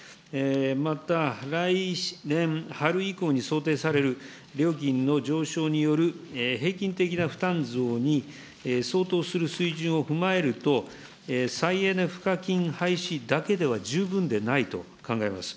また、来年春以降に想定される料金の上昇による平均的な負担増に相当する水準を踏まえると、再エネ賦課金廃止だけでは十分でないと考えます。